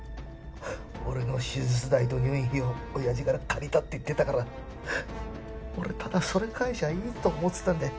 俺の手術代と入院費を親父から借りたって言ってたから俺ただそれ返しゃあいいと思ってたんだよ。